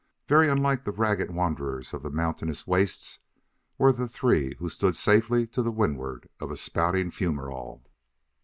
Very unlike the ragged wanderers of the mountainous wastes were the three who stood safely to windward of a spouting fumerole.